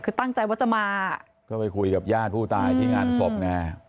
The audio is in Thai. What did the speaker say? คือตั้งใจว่าจะมาก็ไปคุยกับญาติผู้ตายที่งานศพไง